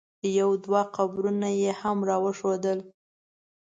یو دوه قبرونه یې هم را وښودل.